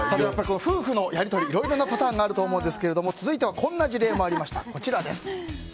夫婦のやり取りいろいろなパターンがあると思いますが続いてはこんな事例がありました。